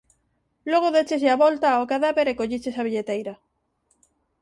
Logo décheslle a volta ao cadáver e colliches a billeteira.